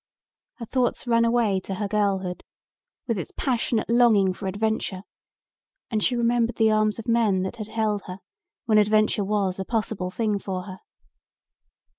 Her thoughts ran away to her girlhood with its passionate longing for adventure and she remembered the arms of men that had held her when adventure was a possible thing for her.